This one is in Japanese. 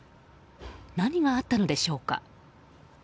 何があったのでしょうか。